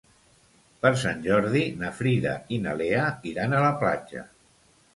Per Sant Jordi na Frida i na Lea iran a la platja.